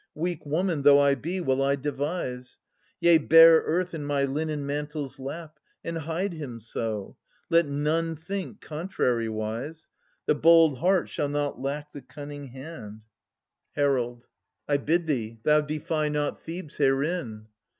Weak woman though I be, will I devise. Yea, bear earth in my linen mantle's lap. And hide him so : let none think contrariwise. 1040 The bold heart shall not lack the cunning hand. 46 jSSCUYLUS, Herald. I bid thee, thou defy not Thebes herein